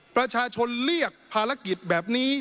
ประชาชนเรียกภารกิจแบบนี้